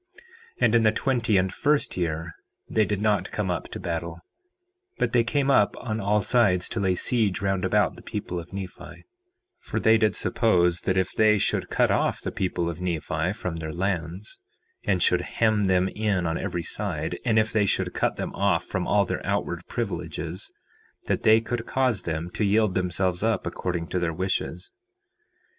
4:16 And in the twenty and first year they did not come up to battle, but they came up on all sides to lay siege round about the people of Nephi; for they did suppose that if they should cut off the people of Nephi from their lands, and should hem them in on every side, and if they should cut them off from all their outward privileges, that they could cause them to yield themselves up according to their wishes.